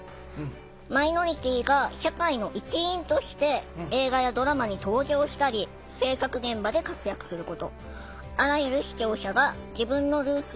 マイノリティーが社会の一員として映画やドラマに登場したり制作現場で活躍すること。